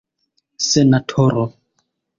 senatoro